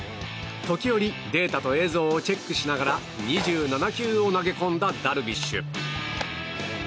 時折、データと映像をチェックしながら２７球を投げ込んだダルビッシュ。